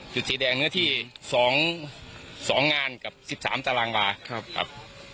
สีแดงเนื้อที่๒งานกับ๑๓ตารางวาครับ